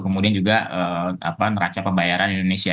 kemudian juga neraca pembayaran indonesia